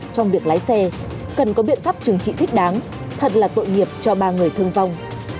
trong việc lái xe cần có biện pháp trừng trị thích đáng thật là tội nghiệp cho ba người thương vong